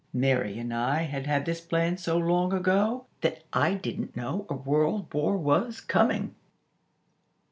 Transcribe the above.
Mary and I had had this plan so long ago that I didn't know a World War was coming!"